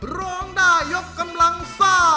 ร้องได้ยกกำลังซ่า